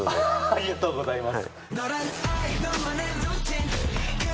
ありがとうございます。